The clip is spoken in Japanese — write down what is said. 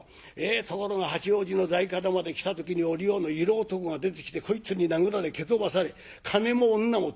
ところが八王子の在方まで来た時におりよの色男が出てきてこいつに殴られ蹴飛ばされ金も女も取られた。